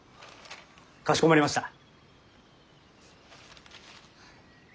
かしこまりました。